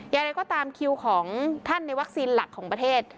อย่างไรก็ตามคิวของท่านในวัคซีนหลักของประเทศ